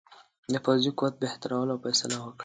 د پوځي قوت بهترولو فیصله وکړه.